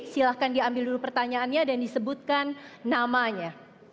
silahkan diambil dulu pertanyaannya dan disebutkan namanya